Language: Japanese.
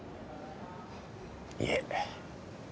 いえ